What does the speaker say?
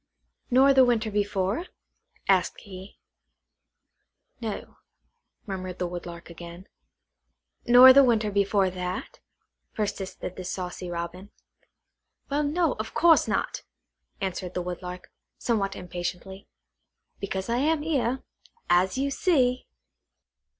"Nor the winter before?" asked he. "No," murmured the Woodlark again. "Nor the winter before that?" persisted the saucy Robin. "Well, no; of course not," answered the Woodlark, somewhat impatiently, "because I am here, as you see."